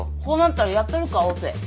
こうなったらやったるかオペ。